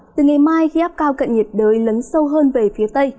từ ngày mai khi áp cao cận nhiệt đới lấn sâu hơn về phía tây